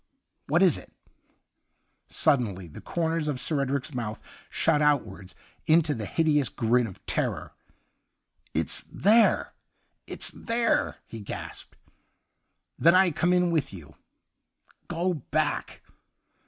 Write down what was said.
'' What is it ?' Suddenly the corners of SirEdric's mouth shot outward into the hideous grin of terror. ' It's there ! It's there !' he gasped. ' Then I come in with you.' ' Go back